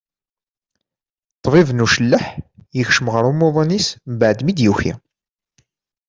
Ṭbib n ucelleḥ yekcem ɣer umuḍin-is mbaɛd mi d-yuki.